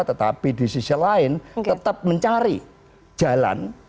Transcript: tetapi di sisi lain tetap mencari jalan